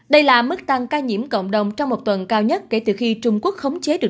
đây là mức tăng ca nhiễm cộng đồng trong một tuần cao nhất kể từ khi trung quốc khống chế được